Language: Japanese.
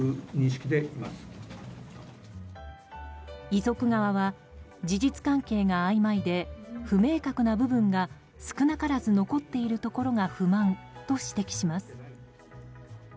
遺族側は事実関係があいまいで不明確な部分が少なからず残っているところが不満と指摘します。